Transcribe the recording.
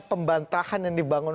pembantahan yang dibangun